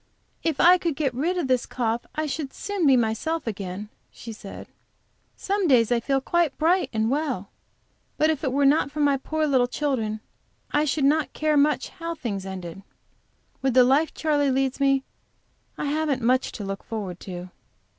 "If I could get rid of this cough I should soon be myself again," she said. "Some days I feel quite bright and well. But if it were not for my poor little children, I should not care much how the thing ended. With the life Charley leads me, I haven't much to look forward to."